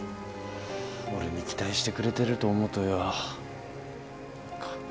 俺に期待してくれてると思うとよ。